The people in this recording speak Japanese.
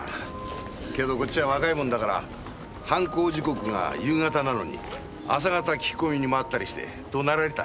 けどこっちは若いもんだから犯行時刻が夕方なのに朝方聞き込みに回ったりして怒鳴られた。